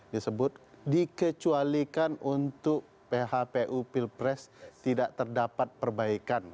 disebut dikecualikan untuk phpu pilpres tidak terdapat perbaikan